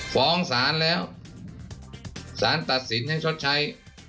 ฟ้องศาลแล้วสารตัดสินให้ชดใช้